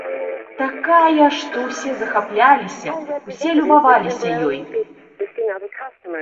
Такая, што ўсе захапляліся, усе любаваліся ёй.